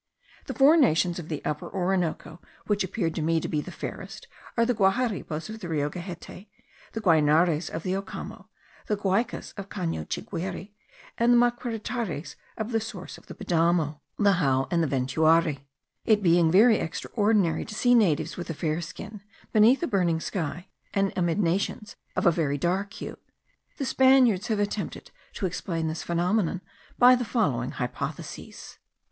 The four nations of the Upper Orinoco, which appeared to me to be the fairest, are the Guaharibos of the Rio Gehette, the Guainares of the Ocamo, the Guaicas of Cano Chiguire, and the Maquiritares of the sources of the Padamo, the Jao, and the Ventuari. It being very extraordinary to see natives with a fair skin beneath a burning sky, and amid nations of a very dark hue, the Spaniards have attempted to explain this phenomenon by the following hypotheses.